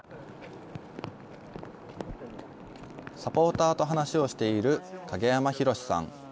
サポーターと話をしている影山洋さん。